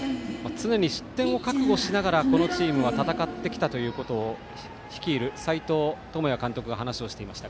常に失点を覚悟しながらこのチームは戦ってきたということを率いる斎藤智也監督は話をしていました。